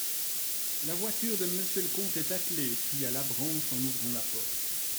La voiture de Monsieur le comte est attelée ! cria Labranche en ouvrant la porte.